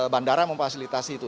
bandara memfasilitasi itu